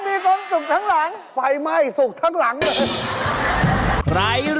ไม่เจออาทิตย์ศุกร์ทั้งหลังเลย